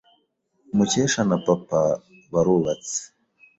Mukesha na papa barubatse.